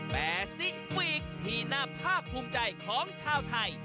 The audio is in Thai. แต่ซิกฟีกที่น่าภาคภูมิใจของชาวไทย